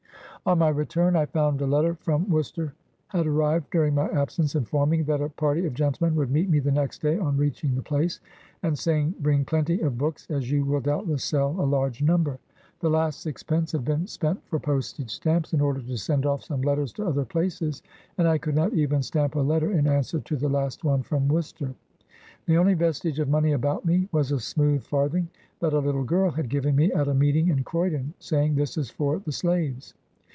" On my return, I found a letter from Worcester had arrived during my absence, informing me that a party of gentlemen would meet me the next day on reaching the place, and saying, ' Bring plenty of books, as you will doubtless sell a large number.' The last sixpence had been spent for postage stamps, AX AMERICAN BONDMAN. 71 in order to send off some letters to other places; and I could not even stamp a letter in answer to the last one from Worcester. The only vestige of money about me was a smooth farthing, that a little girl had given me at a meeting in Croyden, saying, ' This is for the slaves.'